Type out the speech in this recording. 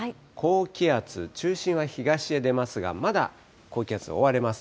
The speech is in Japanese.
高気圧、中心は東へ出ますが、まだ高気圧に覆われます。